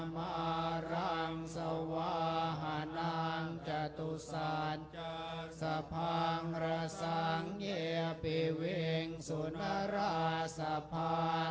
มารังสวาหนังจตุศัตริย์จากสภังระสังเยียบีวิงสุนราสภาตรรรย์